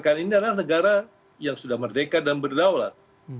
karena ini adalah negara yang sudah merdeka dan berdaulat